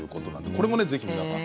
これもぜひ皆さん